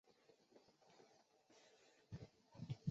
周文王子曹叔振铎后裔。